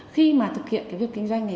khi mà thực hiện việc kinh doanh này